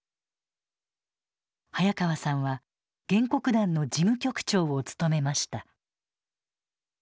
早川さんは原告団の事務局長を務めました。